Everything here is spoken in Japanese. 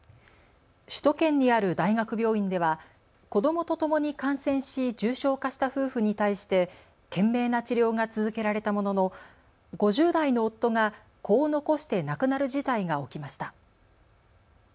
首都圏にある大学病院では子どもとともに感染し重症化した夫婦に対して懸命な治療が続けられたものの、５０代の夫が子を残して亡くなる事態が起きました。